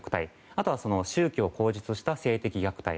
あとは宗教を口実にした性的虐待。